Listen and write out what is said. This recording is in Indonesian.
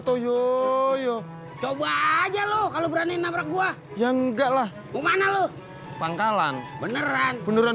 toyo yo coba aja loh kalau berani nabrak gua yang enggaklah bumana lu pangkalan beneran